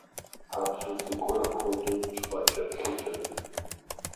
А бзу цӀыкӀур апхуэдэу щхъуэкӀэплъыкӀэкъым.